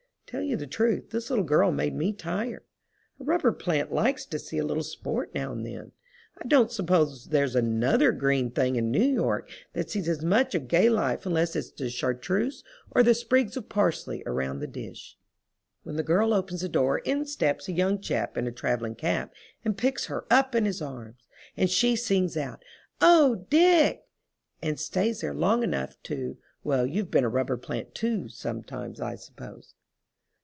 Tell you the truth, this little girl made me tired. A rubber plant likes to see a little sport now and then. I don't suppose there's another green thing in New York that sees as much of gay life unless it's the chartreuse or the sprigs of parsley around the dish. When the girl opens the door in steps a young chap in a traveling cap and picks her up in his arms, and she sings out "Oh, Dick!" and stays there long enough to—well, you've been a rubber plant too, sometimes, I suppose.